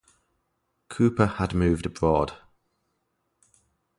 Couper had moved abroad.